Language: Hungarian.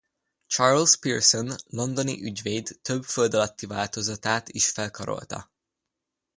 Charles Pearson londoni ügyvéd több földalatti változatát is felkarolta.